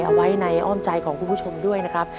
เอาไว้ในอ้อมใจของคุณผู้ชมด้วยนะครับ